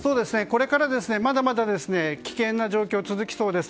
これから、まだまだ危険な状況が続きそうです。